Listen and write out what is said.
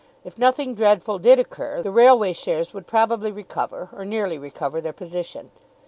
If nothing dreadful did occur, the railway shares would probably recover, or nearly recover, their position.